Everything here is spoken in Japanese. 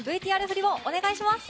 ＶＴＲ振りをお願いします！